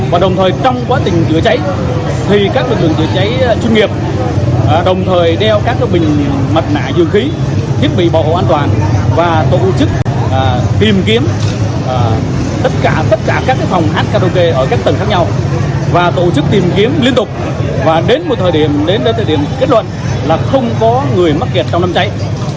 và đồng thời trong quá trình chữa cháy thì các lực lượng chữa cháy chuyên nghiệp đồng thời đeo các cái bình mặt nạ dường khí thiết bị bảo hộ an toàn và tổ chức tìm kiếm tất cả các cái phòng hát karaoke ở các tầng khác nhau và tổ chức tìm kiếm liên tục và đến một thời điểm đến một thời điểm kết luận là không có người mắc kiệt trong năm cháy